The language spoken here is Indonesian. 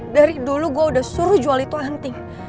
dari dulu gue udah suruh jual itu henti